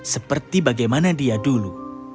seperti bagaimana dia dulu